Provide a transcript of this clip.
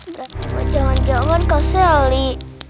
berarti kamu jangan jangan keseli